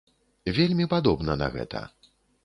Вельмі падобна на гэта.